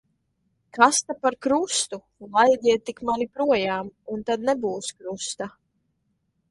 Kas ta par krustu. Laidiet tik mani projām, un tad nebūs krusta.